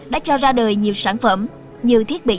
đã cho ra đời nhiều sản phẩm như thiết bị